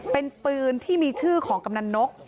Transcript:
เป็นปืนที่มีชื่อของกำนันนก